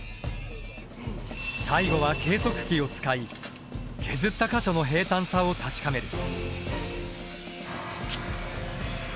最後は計測器を使い削った箇所の平坦さを確かめる。